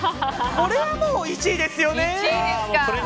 これはもう１位ですよね。